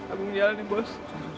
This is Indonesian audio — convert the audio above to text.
aku mau jalanin bos